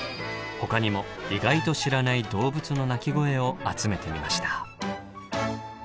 ほかにも意外と知らない動物の鳴き声を集めてみました。